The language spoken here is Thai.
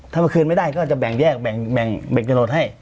ถ้าเมื่อคืนไม่ได้ก็จะแบ่งแยกแบ่งโฉนดให้